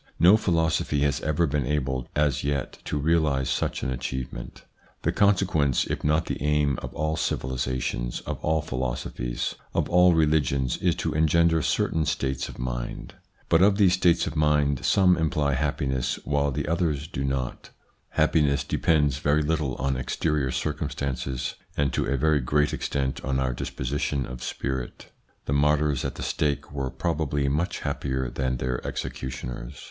No philosophy has ever been able as yet to realise such an achievement. The consequence, if not the aim, of all civilisations, of all philosophies, of all religions is to engender certain states of mind. But of these states of mind some imply happiness, while the others do not Happiness depends very little on exterior circum stances, and to a very great extent on our disposition of spirit. The martyrs at the stake were probably much happier than their executioners.